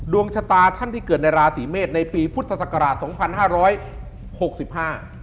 ดวงชะตาท่านที่เกิดในราศีเมษในปีพุทธศักราช๒๕๖๕